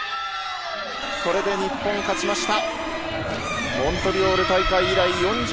これで日本、勝ちました。